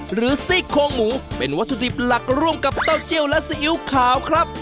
ซี่โครงหมูเป็นวัตถุดิบหลักร่วมกับเต้าเจียวและซีอิ๊วขาวครับ